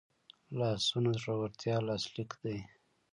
لاسونه د زړورتیا لاسلیک دی